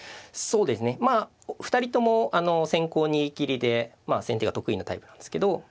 そうですねまあお二人とも先行逃げきりで先手が得意なタイプなんですけど。